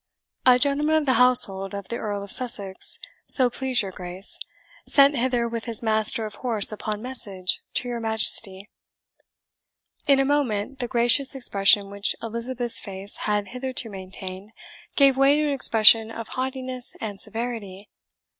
"A gentleman of the household of the Earl of Sussex, so please your Grace, sent hither with his master of horse upon message to your Majesty." In a moment the gracious expression which Elizabeth's face had hitherto maintained, gave way to an expression of haughtiness and severity.